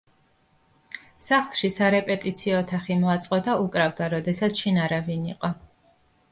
სახლში სარეპეტიციო ოთახი მოაწყო და უკრავდა, როდესაც შინ არავინ იყო.